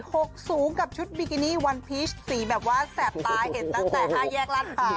หกสูงกับชุดบิกินี่วันพีชสีแบบว่าแสบตาเห็นตั้งแต่ห้าแยกลาดพร้าว